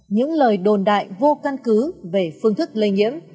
những lời đồn đại vô căn cứ về phương thức lây nhiễm